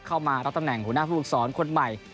เข้ามารับตำแหน่งหัวหน้าผู้ฝึกศรคนใหม่